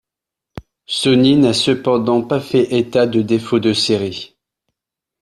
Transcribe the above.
Sony n'a cependant pas fait état de défauts de série.